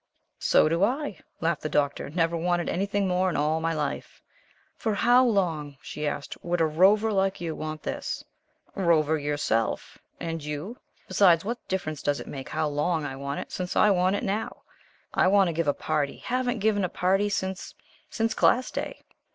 "So do I," laughed the Doctor. "Never wanted anything more in all my life." "For how long," she asked, "would a rover like you want this?" "Rover yourself! And you? Besides what difference does it make how long I want it since I want it now? I want to give a party haven't given a party since since Class Day."